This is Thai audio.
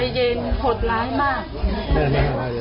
เย็นหดร้ายมาก